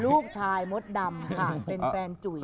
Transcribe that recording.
ลูกชายมดดำค่ะเป็นแฟนจุ๋ย